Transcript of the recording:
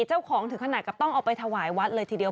ถึงขนาดกับต้องเอาไปถวายวัดเลยทีเดียว